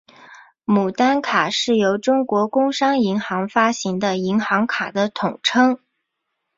牡丹卡是由中国工商银行发行的银行卡的统称。